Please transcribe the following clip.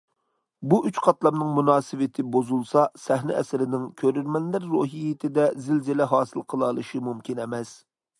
بۇ ئۈچ قاتلامنىڭ مۇناسىۋىتى بۇزۇلسا، سەھنە ئەسىرىنىڭ كۆرۈرمەنلەر روھىيىتىدە زىلزىلە ھاسىل قىلالىشى مۇمكىن ئەمەس.